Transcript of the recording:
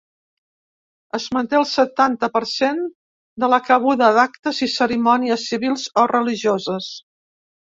Es manté el setanta per cent de la cabuda d’actes i cerimònies civils o religioses.